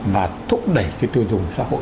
và thúc đẩy cái tiêu dùng xã hội